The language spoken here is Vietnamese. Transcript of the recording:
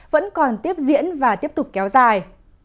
vẫn còn tiếp diễn và tiếp tục kéo dài